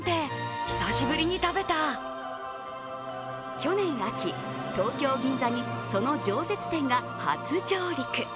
去年秋、東京・銀座にその常設店が初上陸。